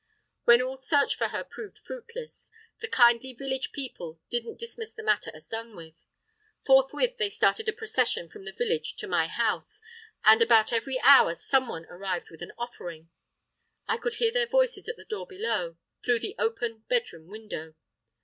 When all search for her proved fruitless, the kindly village people didn't dismiss the matter as done with. Forthwith there started a procession from the village to my house, and about every hour someone arrived with an offering. I could hear their voices at the door below, through the open bedroom window.